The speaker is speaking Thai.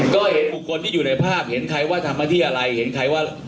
ก็เห็นบุคคลที่อยู่ในภาพเห็นใครว่าทำมาที่อะไรเห็นใครว่า